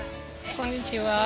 こんにちは。